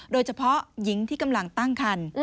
โดยเฉพาะหญิงที่กำลังตั้งคัน